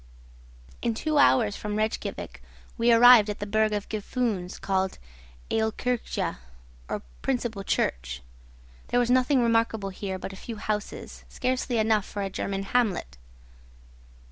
In two hours from Rejkiavik we arrived at the burgh of Gufunes, called Aolkirkja, or principal church. There was nothing remarkable here but a few houses, scarcely enough for a German hamlet.